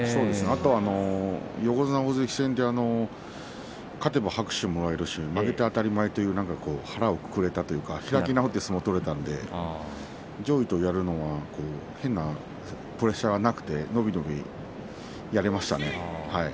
あと横綱、大関戦で勝てば拍手をもらえるし負けて当たり前という腹をくくっていたというか開き直って相撲が取れたので上位とやるのは変なプレッシャーがなくて伸び伸びやれましたね。